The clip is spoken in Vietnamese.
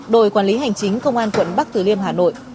đội quản lý hành chính công an quận bắc tử liêm hà nội